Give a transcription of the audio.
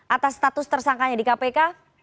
atas status tersangkanya di kpk